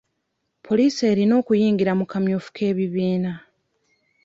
Poliisi erina okuyigira ku kamyufu k'ebibiina.